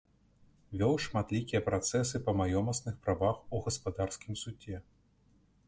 Вёў шматлікія працэсы па маёмасных правах у гаспадарскім судзе.